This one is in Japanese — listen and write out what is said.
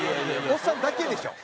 おっさんだけでしょ？